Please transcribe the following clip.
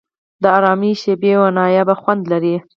د آرامۍ شېبې یو نایابه خوند لري.